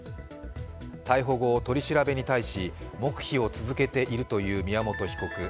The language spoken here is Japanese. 逮捕後、取り調べに対し、黙秘を続けているという宮本被告。